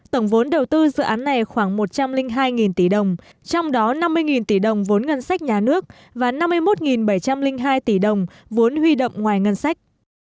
tổng vốn đầu tư dự án này khoảng một trăm linh hai tỷ đồng trong đó năm mươi tỷ đồng vốn ngân sách nhà nước và năm mươi một bảy trăm linh hai tỷ đồng vốn huy động ngoài ngân sách